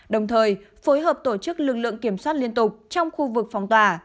đồng thời phối hợp tổ chức lực lượng kiểm soát liên tục trong khu vực phòng tỏa